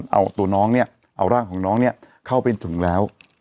เอาตัวน้องเนี่ยเอาร่างของน้องเนี่ยเข้าไปถึงแล้ว